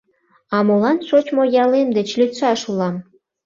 — А молан шочмо ялем деч лӱдшаш улам?